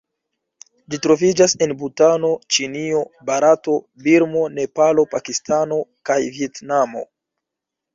Ĝi troviĝas en Butano, Ĉinio, Barato, Birmo, Nepalo, Pakistano kaj Vjetnamo.